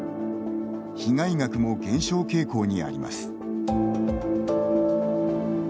被害額も減少傾向にあります。